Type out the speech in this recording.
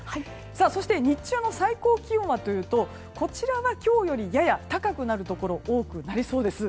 そして日中の最高気温はというと今日よりやや高くなるところが多くなりそうです。